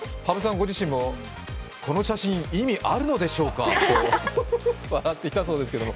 ご自身も、「この写真、意味あるのでしょうか」と笑っていたそうですけれども。